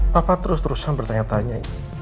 papa terus terusan bertanya tanya